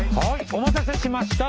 お待たせしました！